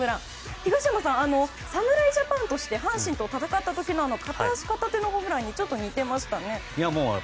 東山さん、侍ジャパンとして阪神と戦った時の片手片足のホームランにちょっと似ていましたね。